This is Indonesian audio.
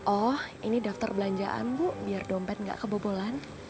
oh ini daftar belanjaan bu biar dompet gak kebobolan